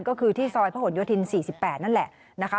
ก็คือที่ซอยพระหลโยธิน๔๘นั่นแหละนะคะ